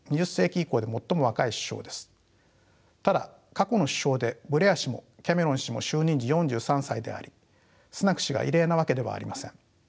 ただ過去の首相でブレア氏もキャメロン氏も就任時４３歳でありスナク氏が異例なわけではありません。